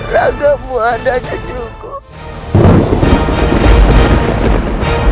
ranggamu adanya cukup